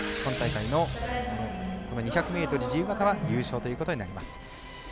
今大会の２００ｍ自由形は優勝ということになります。